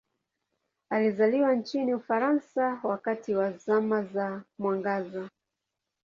Alizaliwa nchini Ufaransa wakati wa Zama za Mwangaza.